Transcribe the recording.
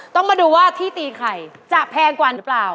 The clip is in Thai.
ต้องมาดูว่าที่ตีไข่จะแพงกว่าหรือเปล่า